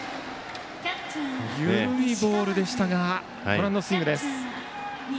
緩いボールでしたがご覧のスイングでした。